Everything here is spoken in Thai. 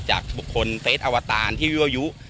จากบุคคลเฟสอวตารที่ยั่วยุ